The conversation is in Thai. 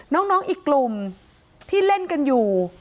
น้องอีกกลุ่มที่เล่นกันอยู่